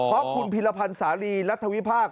เพราะคุณพิรพันธ์สารีรัฐวิพากษ